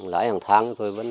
lãi hàng tháng tôi vẫn